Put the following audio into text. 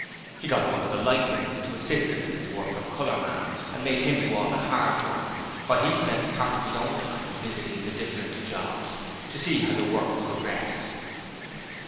He got one of the light weights to assist him in his work of colourman and made him do all the hard work, while he spent part of his own time visiting the different jobs to see how the work progressed.